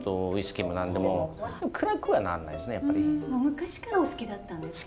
昔からお好きだったんですか？